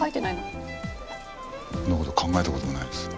そんな事考えた事もないです。